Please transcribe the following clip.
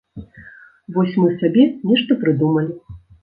Вось мы сабе нешта прыдумалі.